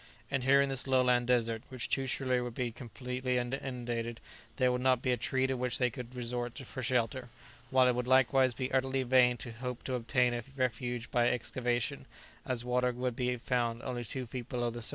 And here in this lowland desert, which too surely would be completely inundated, there would not be a tree to which they could resort for shelter, while it would likewise be utterly vain to hope to obtain a refuge by excavation, as water would be found only two feet below the surface.